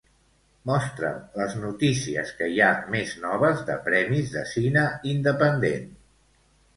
Mostra'm les notícies que hi ha més noves de premis de cine independent.